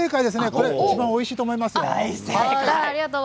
これがいちばんおいしいと思います。